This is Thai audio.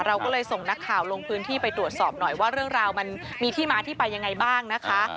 เราก็เลยส่งนักข่าวลงพื้นที่ไปตรวจสอบหน่อยว่าเรื่องราวมันมีที่มาที่ไปยังไงบ้างนะคะ